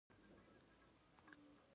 د ځینې خلکو معده د غوښې هضمولو توان نه لري.